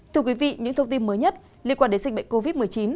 thưa quý vị những thông tin mới nhất liên quan đến dịch bệnh covid một mươi chín